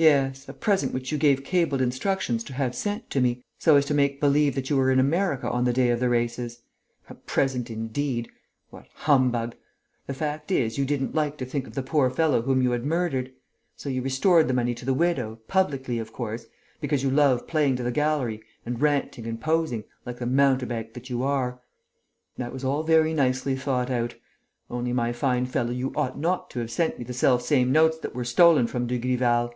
"Yes, a present which you gave cabled instructions to have sent to me, so as to make believe that you were in America on the day of the races. A present, indeed! What humbug! The fact is, you didn't like to think of the poor fellow whom you had murdered. So you restored the money to the widow, publicly, of course, because you love playing to the gallery and ranting and posing, like the mountebank that you are. That was all very nicely thought out. Only, my fine fellow, you ought not to have sent me the selfsame notes that were stolen from Dugrival!